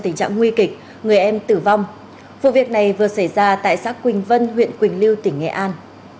tình trạng nguy kịch người em tử vong vụ việc này vừa xảy ra tại xã quỳnh vân huyện quỳnh lưu tỉnh nghệ an